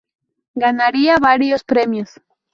Ganaría varios premios.